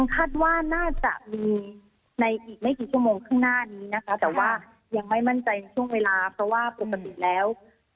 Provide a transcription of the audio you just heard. คาดว่าน่าจะมีในอีกไม่กี่ชั่วโมงข้างหน้านี้นะคะแต่ว่ายังไม่มั่นใจในช่วงเวลาเพราะว่าปกติแล้ว